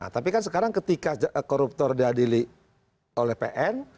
tapi kan sekarang ketika koruptor diadili oleh pn